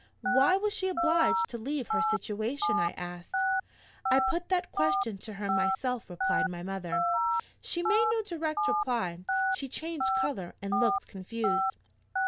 "Why was she obliged to leave her situation?" I asked. "I put that question to her myself," replied my mother. "She made no direct reply she changed color, and looked confused.